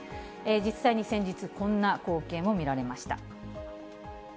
実際に先日、こんな光景も見られました。